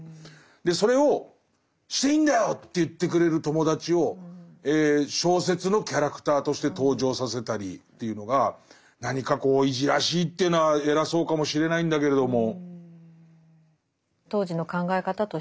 それをしていいんだよと言ってくれる友達を小説のキャラクターとして登場させたりというのが何かこういじらしいっていうのは偉そうかもしれないんだけれども。